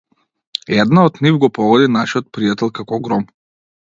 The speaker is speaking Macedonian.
Една од нив го погоди нашиот пријател како гром.